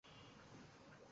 By, দেখাও।